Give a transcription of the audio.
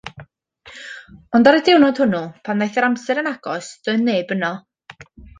Ond ar y diwrnod hwnnw, pan ddaeth yr amser yn agos, doedd neb yno.